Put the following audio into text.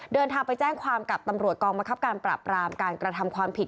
เดินทางไปแจ้งความกับตำรวจกองบังคับการปราบรามการกระทำความผิด